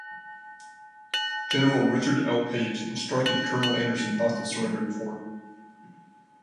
General Richard L. Page instructed Colonel Anderson not to surrender the fort.